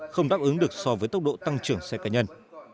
không đáp ứng được so với tốc độ tăng trưởng xe cá nhân